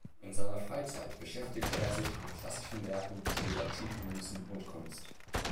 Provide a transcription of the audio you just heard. In seiner Freizeit beschäftigte er sich mit klassischen Werken sowie antiken Münzen und Kunst.